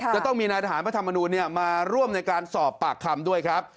จะต้องมีนายทหารพระธรรมนูลมาร่วมในการสอบปากคำด้วยครับ